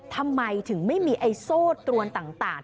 ทำไมถึงไม่มีไอ้โซ่ตรวนต่าง